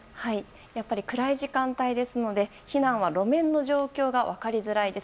やっぱりくらい時間帯ですので避難は路面の状況が分かりづらいです。